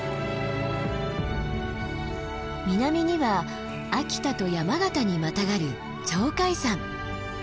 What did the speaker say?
南には秋田と山形にまたがる鳥海山。